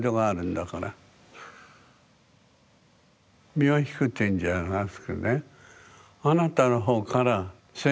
身を引くっていうんじゃなくてね。